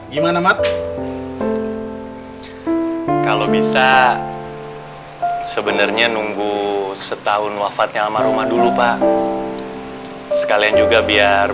gimana mak kalau bisa sebenarnya nunggu setahun wafatnya almarhumah dulu pak sekalian juga biar